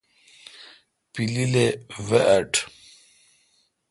پلیل اے وہ اٹھ۔